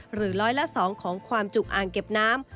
หรือร้อยละ๒ของความจุอ่างเก็บน้ำ